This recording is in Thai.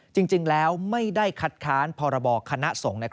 จริงแล้วไม่ได้คัดค้านพลคทรง